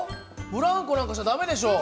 ブランコなんかしちゃ駄目でしょ。